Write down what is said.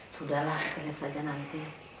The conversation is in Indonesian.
sudahlah lihat saja nanti